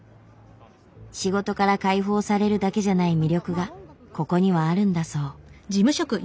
仕事から解放されるだけじゃない魅力がここにはあるんだそう。